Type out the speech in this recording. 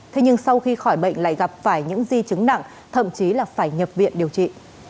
thế nhưng sau khi khỏi bệnh lại gặp phải những di chứng nặng thậm chí là phải nhập viện điều trị